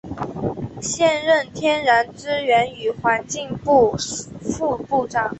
现任天然资源与环境部副部长。